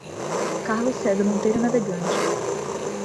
Carlos Cesar Monteiro Navegante